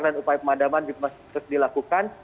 dan upaya pemadaman masih terus dilakukan